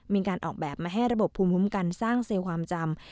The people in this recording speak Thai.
มีการออกแบบมาให้ระบบภูมิคุ้มกันสร้างเซลล์ความจำ